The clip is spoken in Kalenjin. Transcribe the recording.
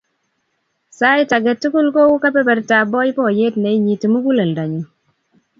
Sait ake tukul kou kepepertap poipoyet ne inyiti muguleldannyu.